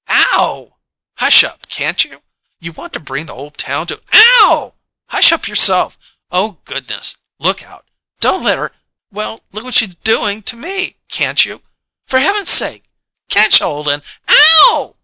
"Ow!" "Hush up, can't you? You want to bring the whole town to ow!" "Hush up yourself!" "Oh, goodness!" "Look out! Don't let her " "Well, look what she's doin' to me, can't you?" "For Heavenses' sakes, catch holt and _Ow!